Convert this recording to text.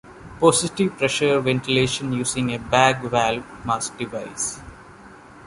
Positive-pressure ventilation using a bag valve mask device.